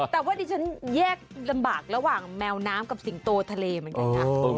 แต่ว่าดิฉันแยกลำบากระหว่างแมวน้ำกับสิงโตทะเลเหมือนกันนะ